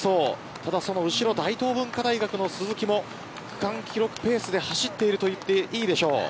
ただ、その後ろ大東文化大の鈴木も区間記録ペースで走っているといっていいでしょう。